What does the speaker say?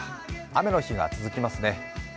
雨の日が続きますね。